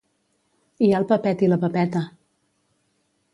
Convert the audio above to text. Hi ha el Pepet i la Pepeta.